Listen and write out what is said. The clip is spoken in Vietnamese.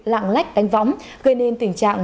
lạng lách đánh võng gây nên tình trạng